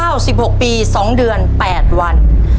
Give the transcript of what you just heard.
ตัวเลือกที่สามอายุ๙๖ปี๒เดือน๔วัน